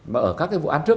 mà ở các cái vụ ăn trước